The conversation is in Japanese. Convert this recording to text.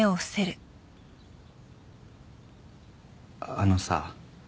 あのさ。